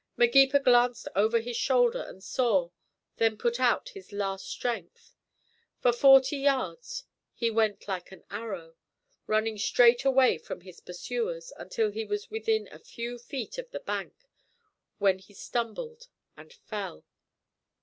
Magepa glanced over his shoulder and saw, then put out his last strength. For forty yards he went like an arrow, running straight away from his pursuers, until he was within a few feet of the bank, when he stumbled and fell.